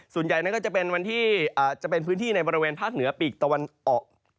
ส่วนใหญ่นั้นก็จะเป็นพื้นที่ในบริเวณภาคเหนือปีกตะวันออก